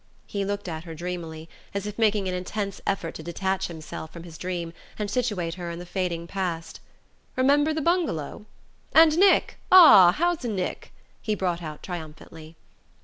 He looked at her dreamily, as if making an intense effort to detach himself from his dream, and situate her in the fading past. "Remember the bungalow? And Nick ah, how's Nick?" he brought out triumphantly.